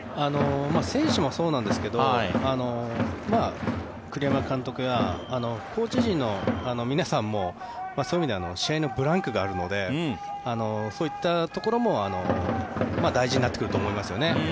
選手もそうなんですけど栗山監督やコーチ陣の皆さんもそういう意味では試合のブランクがあるのでそういったところも大事になってくると思いますよね